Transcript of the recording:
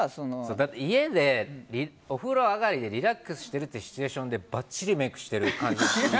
だって家でお風呂上がりでリラックスしてるシチュエーションでバッチリメイクしてる感じで。